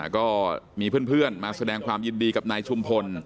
ก็มีเพื่อนมาแสดงความยินดีกับนายชุมพล